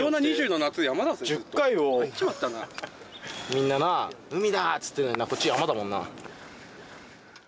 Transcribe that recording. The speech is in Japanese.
みんなな海だって言ってんのにこっち山だもんな。